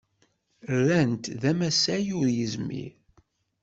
Rran-t d amasay ur yezmir.